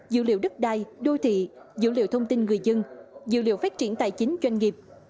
dữ liệu đất đai đô thị dữ liệu thông tin người dân dữ liệu phát triển tài chính doanh nghiệp